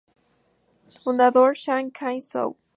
Fundador: Sang-kyo Son